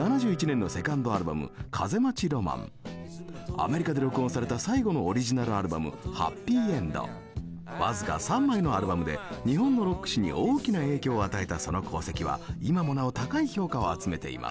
アメリカで録音された僅か３枚のアルバムで日本のロック史に大きな影響を与えたその功績は今もなお高い評価を集めています。